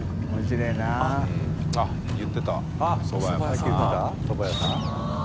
さっき言ってたそば屋さん？